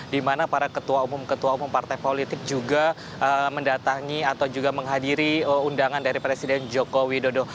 di mana para ketua umum ketua umum partai politik juga mendatangi atau juga menghadiri undangan dari presiden joko widodo